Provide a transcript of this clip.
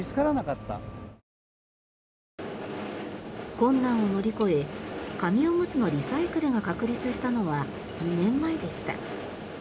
困難を乗り越え紙おむつのリサイクルが確立したのは２年前でした。